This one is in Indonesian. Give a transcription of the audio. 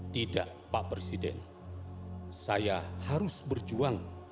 tidak pak presiden saya harus berjuang